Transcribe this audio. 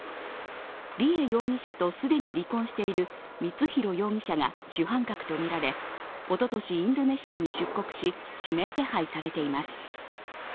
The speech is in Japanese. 梨恵容疑者と既に離婚している光弘容疑者が主犯格とみられおととしインドネシアに出国し指名手配されています。